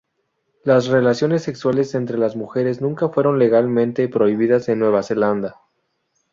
Las relaciones sexuales entre las mujeres nunca fueron legalmente prohibidas en Nueva Zelanda.